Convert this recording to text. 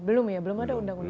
belum ya belum ada undang undang